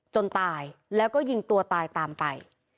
ตายแล้วก็ยิงตัวตายตามไป